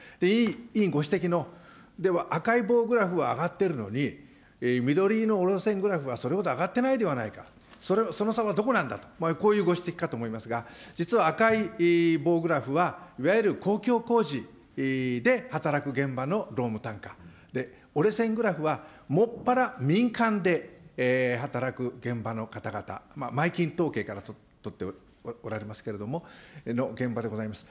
委員ご指摘の、では赤い棒グラフは上がっているのに、緑の折れ線グラフはそれほど上がってないではないか、その差はどこなんだと、こういうご指摘かと思いますが、実は赤い棒グラフは、いわゆる公共工事で働く現場の労務単価で、折れ線グラフは、もっぱら民間で働く現場の方々、まいきん統計からとっておられますけれども、現場でございます。